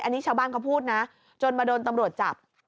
อันนี้ชาวบ้านเขาพูดนะจนมาโดนตำรวจจับ